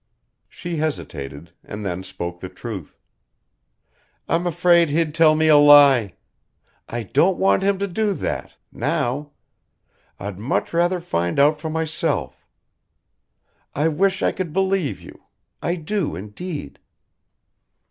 She hesitated and then spoke the truth. "I'm afraid he'd tell me a lie. I don't want him to do that ... now. I'd much rather find out for myself. I wish I could believe you. I do indeed."